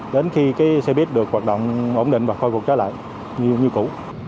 đến khi xe buýt được hoạt động ổn định và khôi phục trở lại như cũ